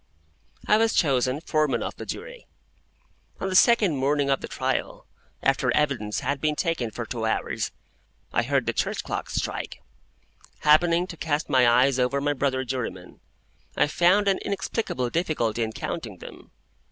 I was chosen Foreman of the Jury. On the second morning of the trial, after evidence had been taken for two hours (I heard the church clocks strike), happening to cast my eyes over my brother jurymen, I found an inexplicable difficulty in counting them.